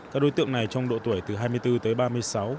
các đối tượng này trong độ tuổi từ hai mươi bốn tới ba mươi sáu